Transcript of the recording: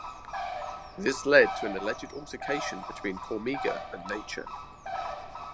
This led to an alleged altercation between Cormega and Nature.